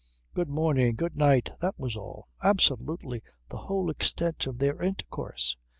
Good morning good night that was all absolutely the whole extent of their intercourse.